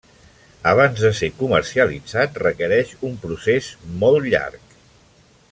Abans de ser comercialitzat requereix un procés molt llarg.